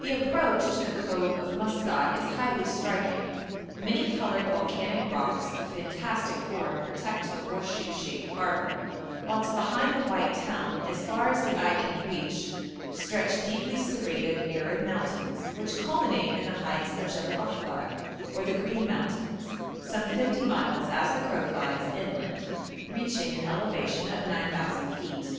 The approach to the cove of Maskat is highly striking. Many coloured volcanic rocks of fantastic form protect the horseshoe shaped harbour, whilst behind the white town, as far as the eye can reach, stretch deeply serrated, arid mountains, which culminate in the heights of Jebel Akhdar, or the 'Green Mountains,' some fifty miles, as the crow flies, inland, reaching an elevation of 9,000 feet.